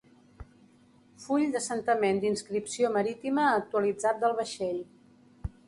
Full d'assentament d'inscripció marítima actualitzat del vaixell.